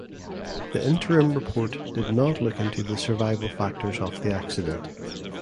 The interim report did not look into the survival factors of the accident.